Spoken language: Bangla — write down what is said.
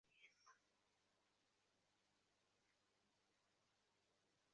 একথা বলিতে সেনদিদির দ্বিধা হয় না, সঙ্কোচ হয় না!